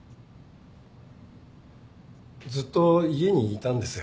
ずっと家にいたんですよ。